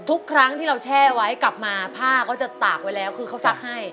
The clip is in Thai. ทุกครั้งที่เราแช่ไว้กลับมาผ้าก็จะตากไว้แล้วคือเขาซักให้